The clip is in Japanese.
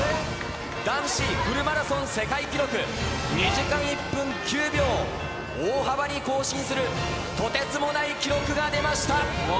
男子フルマラソン世界記録、２時間１分９秒を大幅に更新するとてつもない記録が出ました。